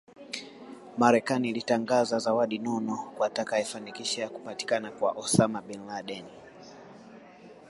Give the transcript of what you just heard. Marekani ilitangaza zawadi nono kwa atakayefanikisha kupatikana kwa Osama Bin Laden